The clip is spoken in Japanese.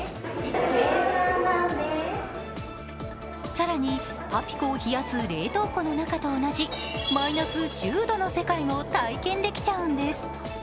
更にパピコを冷やす冷凍庫の中と同じマイナス１０度の世界も体験できちゃうんです。